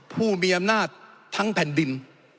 ผู้มีอำนาจทั้งแผ่นดิน